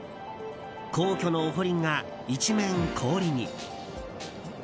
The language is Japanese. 皇居のお堀が一面、氷に。